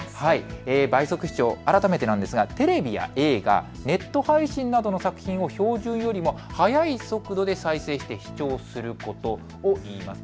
倍速視聴、改めてなんですがテレビや映画、ネット配信などの作品を標準よりも速い速度で再生して視聴することをいいます。